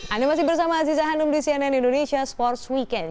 anda masih bersama aziza hanum di cnn indonesia sports weekend